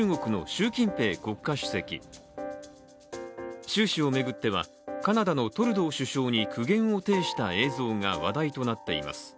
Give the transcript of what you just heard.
習氏を巡っては、カナダのトルドー首相に苦言を呈した映像が話題となっています。